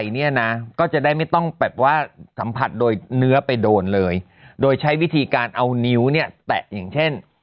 เนี่ยนะก็จะได้ไม่ต้องแบบว่าสัมผัสโดยเนื้อไปโดนเลยโดยใช้วิธีการเอานิ้วเนี่ยแตะอย่างเช่น